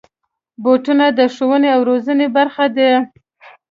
بوټونه د ښوونې او روزنې برخه دي.